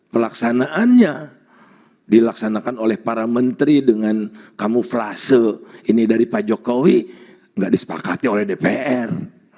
pelaksanaannya dilaksanakan oleh para menteri dengan kamuflase ini dari pak jokowi nggak disepakati oleh dpr